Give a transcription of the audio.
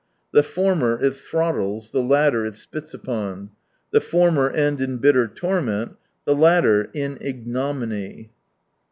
The former it throttles, the latter it spits upon. The former end in bitter torment, the latter — in ignominy.